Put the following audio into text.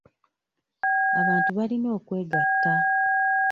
Abantu balina okwegatta.